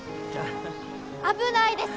危ないです！